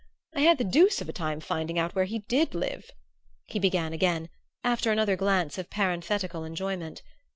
I had the deuce of a time finding out where he did live," he began again, after another glance of parenthetical enjoyment.